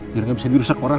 biar nggak bisa dirusak orang